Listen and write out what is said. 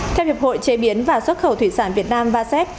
theo hiệp hội chế biến và xuất khẩu thủy sản việt nam vasep